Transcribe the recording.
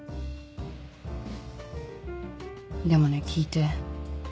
でもね聞いて。